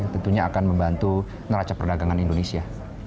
tentunya akan membantu neraca perdagangan indonesia